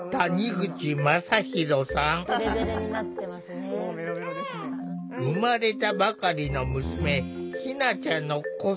生まれたばかりの娘ひなちゃんの子育てに奮闘中！